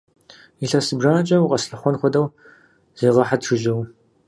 Илъэс зыбжанэкӏэ укъэслъыхъуэн хуэдэу зегъэхьыт жыжьэу!